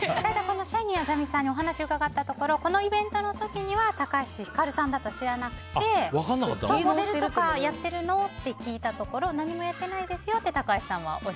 シャイニー薊さんにお話を伺ったところこのイベントの時には高橋ひかるさんだと知らなくてモデルとかやってるの？って聞いたところ何もやってないですよって